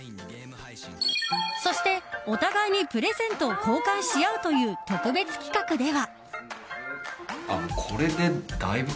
そして、お互いにプレゼントを交換し合うという特別企画では。